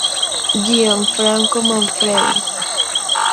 Gianfranco Manfredi.